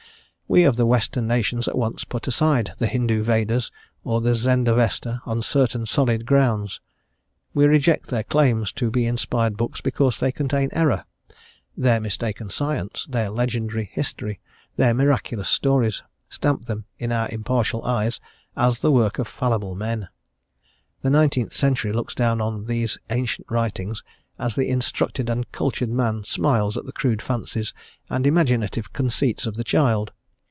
We, of the Western nations, at once put aside the Hindoo Vedas, or the Zendavesta, on certain solid grounds; we reject their claims to be inspired books because they contain error; their mistaken science, their legendary history, their miraculous stories, stamp them, in our impartial eyes, as the work of fallible men; the nineteenth century looks down on thee ancient writings as the instructed and cultured man smiles at the crude fancies and imaginative conceits of the child.